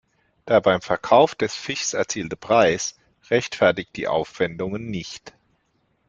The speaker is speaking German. Der beim Verkauf des Fischs erzielte Preis rechtfertigt die Aufwendungen nicht.